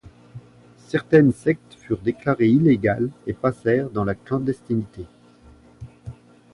Certaines sectes furent déclarées illégales et passèrent dans la clandestinité.